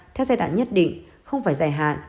theo giai đoạn nhất định không phải dài hạn